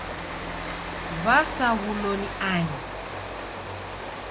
W'asaghulo ni ani?